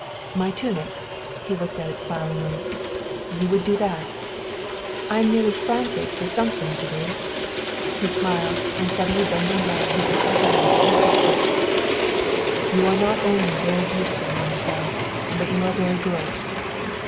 "My tunic!" He looked at it smilingly. "You would do that?" "I am nearly frantic for something to do." He smiled, and suddenly bending down he took her hand and kissed it. "You are not only very beautiful, mademoiselle, but you are very good."